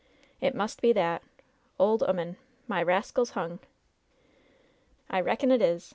It must be that, ole 'oman — ^my rascal's hung!" "I reckon it is